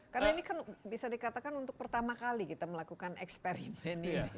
karena ini kan bisa dikatakan untuk pertama kali kita melakukan eksperimen ini